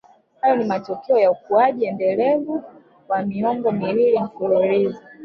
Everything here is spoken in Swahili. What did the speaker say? Hayo ni matokeo ya ukuaji endelevu wa miongo miwili mfululizo